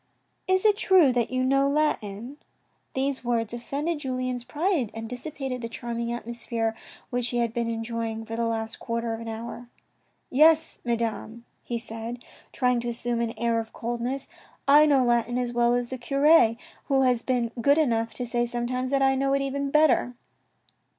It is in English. " Is it true that you know Latin ?" These words offended Julien's pride, and dissipated the charming atmosphere which he had been enjoying for the last quarter of an hour. " Yes, Madame," he said, trying to assume an air of coldness, " I know Latin as well as the cure, who has been good enough to say sometimes that I know it even better."